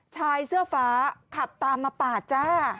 ชายเสื้อฟ้าขับตามมาปาดจ้า